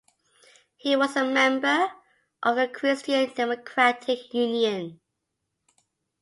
He was a member of the Christian Democratic Union.